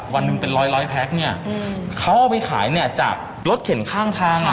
วันหนึ่งเป็นร้อยร้อยแพ็คเนี่ยเขาเอาไปขายเนี่ยจากรถเข็นข้างทางอ่ะ